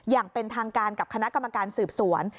อย่างเป็นทางการกับคณะกรรมการสืบสวน